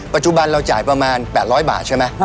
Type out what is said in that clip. ปัจจุบันเราจ่ายประมาณ๘๐๐บาทใช่ไหม